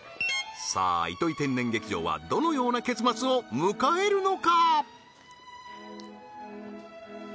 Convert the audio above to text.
さあ糸井天然劇場はどのような結末を迎えるのか？